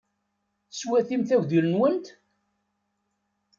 Teswatimt agdil-nwent?